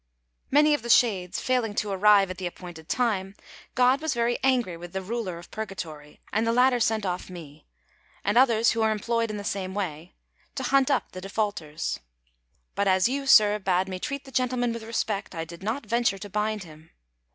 Many of the shades failing to arrive at the appointed time, God was very angry with the Ruler of Purgatory, and the latter sent off me, and others who are employed in the same way, to hunt up the defaulters. But as you, Sir, bade me treat the gentleman with respect, I did not venture to bind him."